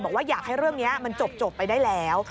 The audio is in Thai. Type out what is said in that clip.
บอกว่าอยากให้เรื่องนี้มันจบไปได้แล้ว